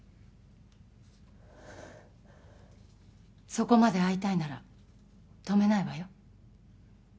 そこまで会いたいなら止めないわよ